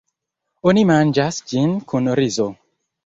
Oni manĝas ĝin kun rizo.